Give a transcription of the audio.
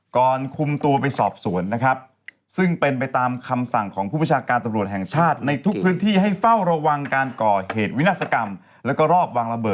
ก่อนคุมตัวไปสอบสวนนะครับซึ่งเป็นไปตามคำสั่งของผู้ประชาการตำรวจแห่งชาติในทุกพื้นที่ให้เฝ้าระวังการก่อเหตุวินาศกรรมแล้วก็รอบวางระเบิด